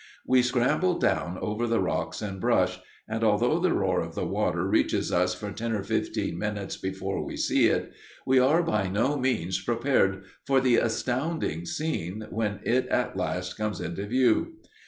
We scramble down over the rocks and brush; and although the roar of the water reaches us for ten or fifteen minutes before we see it, we are by no means prepared for the astounding scene when it at last comes into view.